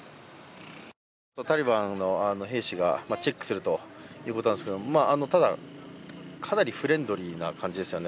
タリバンの兵士がチェックするということなんですけれども、ただ、かなりフレンドリーな感じですよね